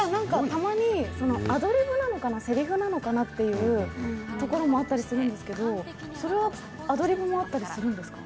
たまにアドリブなのかな、せりふなのかなというところもあったんですけどそれはアドリブもあったりするんですか？